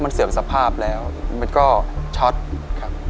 มันเสื่อมสภาพแล้วมันก็ช็อตครับ